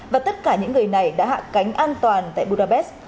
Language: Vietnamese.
và tất cả những người này đã hạ cánh an toàn tại budapest